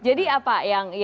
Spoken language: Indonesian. jadi apa yang